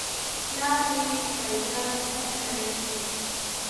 پلار مې پیدا نه کړای شو.